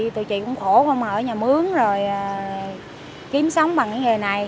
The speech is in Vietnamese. tụi chị cũng khổ không ở nhà mướn rồi kiếm sống bằng cái nghề này